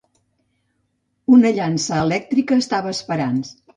Una llança elèctrica estava esperant.